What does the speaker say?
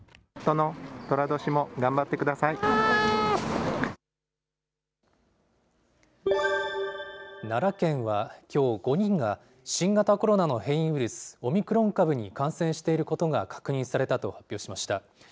殿、奈良県はきょう、５人が新型コロナの変異ウイルス、オミクロン株に感染していることが確認されたと発表しました。